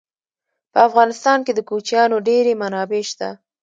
په افغانستان کې د کوچیانو ډېرې منابع شته.